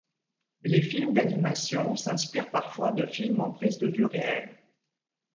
Les films d'animation s'inspirent parfois de films en prise de vues réelles.